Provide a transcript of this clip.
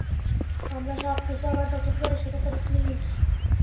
আমরা সবকিছু আবার নতুন করে শুরু করি, প্লিজ?